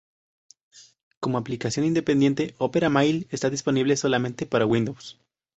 Como aplicación independiente, Opera Mail está disponible solamente para Windows.